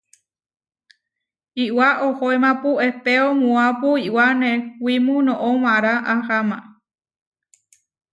Iʼwá ohóemapu ehpéo muápu iʼwá newimú noʼó mára aháma.